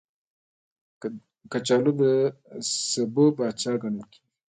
کچالو د سبو پاچا ګڼل کېږي